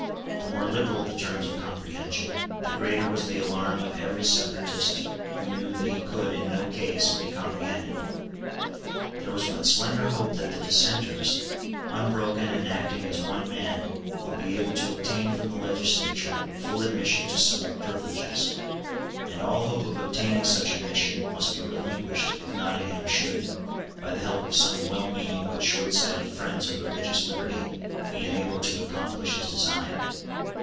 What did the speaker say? The more liberal the terms of comprehension, the greater was the alarm of every separatist who knew that he could, in no case, be comprehended. There was but slender hope that the dissenters, unbroken and acting as one man, would be able to obtain from the legislature full admission to civil privileges; and all hope of obtaining such admission must be relinquished if Nottingham should, by the help of some wellmeaning but shortsighted friends of religious liberty, be enabled to accomplish his design.